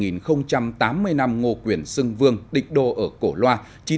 một tám mươi năm ngô quyền sơn vương địch đô ở cổ loa chín trăm ba mươi chín hai nghìn một mươi chín